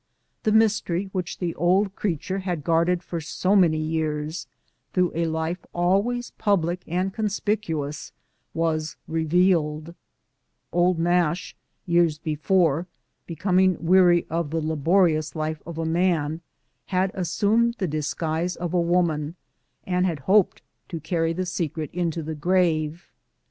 The mystery which the old creature had guarded for so many years, through a life always public and conspicuous, was re vealed :" Old Nash," years before, becoming weary of the laborious life of a man, had assumed the disguise of a woman, and hoped to carry the secret into the grave.